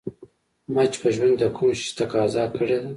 ما چې په ژوند کې د کوم شي تقاضا کړې ده